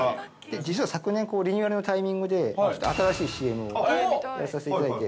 ◆実は昨年、リニューアルのタイミングで、新しいＣＭをやらさせていただいて。